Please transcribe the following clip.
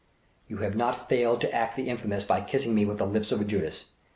"You have not failed to act the infamous by kissing me with the lips of a Judas!